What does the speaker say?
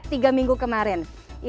tiga minggu kemarin